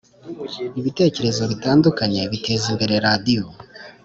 Ibitekerezo bitandukanye biteza imbere radiyo